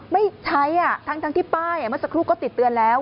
ไม่ใช้ทั้งที่ป้ายเมื่อสักครู่ก็ติดเตือนแล้ว